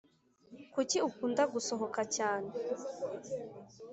kuki ukunda gusohoka cyane